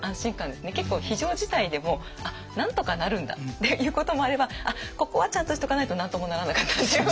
結構非常事態でもなんとかなるんだっていうこともあればここはちゃんとしとかないと何ともならなかったっていう。